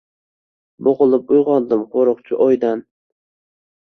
Boʻgʻilib uygʻondim qoʻrqinchli oʻydan